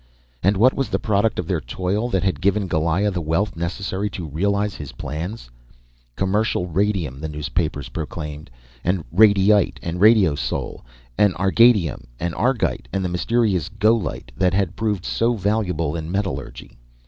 And what was the product of their toil that had given Goliah the wealth necessary to realize his plans? Commercial radium, the newspapers proclaimed; and radiyte, and radiosole, and argatium, and argyte, and the mysterious golyte (that had proved so valuable in metallurgy).